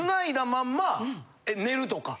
まんま寝るとか。